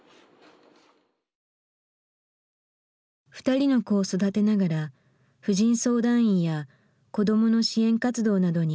２人の子を育てながら婦人相談員や子どもの支援活動などに奔走。